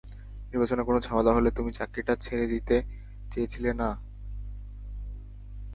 নির্বাচনে কোনো ঝামেলা হলে তুমি চাকরিটা ছেড়ে দিতে চেয়েছিলে না?